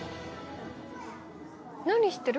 何してる？